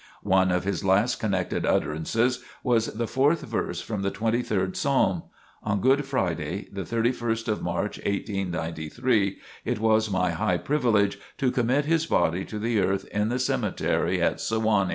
One of his last connected utterances was the fourth verse from the twenty third Psalm. On Good Friday, the 31st of March, 1893, it was my high privilege to commit his body to the earth in the cemetery at Sewanee.